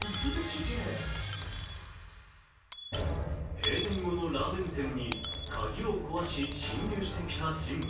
閉店後のラーメン店に鍵を壊し侵入してきた人物。